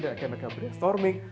dan mereka brainstorming